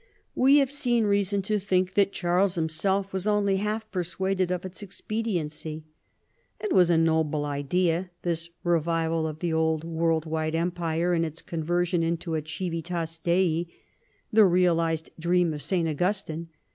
"We have seen reason to think that Charles himself was only half persuaded of its expedienc3^ It was a noble idea, this revival of the old world wide empire and its conversion into a CivUas Dei, the realized dream of St. Augustine.